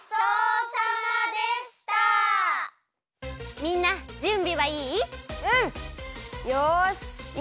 みんなじゅんびはいい？